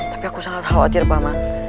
tapi aku sangat khawatir pak man